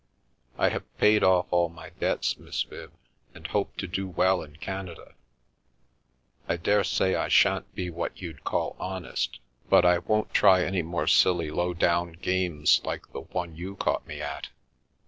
I have paid off all my debts, Miss Viv, and hope to do well in Canada. I daresay I shan't be what you'd call honest, but I won't try any more silly low down games like the one you caught me at.